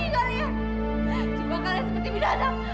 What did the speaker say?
pergi kalian pergi kalian